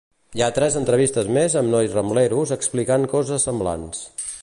Hi ha tres entrevistes més amb nois Rambleros explicant coses semblants.